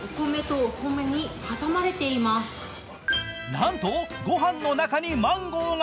なんとごはんの中にマンゴーが。